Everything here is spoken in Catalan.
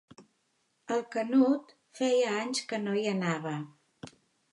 El Canut feia anys que no hi anava.